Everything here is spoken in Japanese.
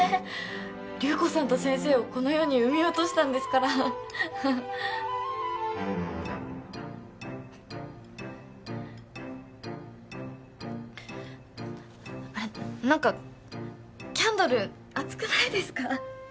流子さんと先生をこの世に産み落としたんですから何かキャンドルあつくないですか？